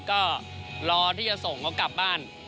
ก็รอที่จะส่งเขากลับบ้าน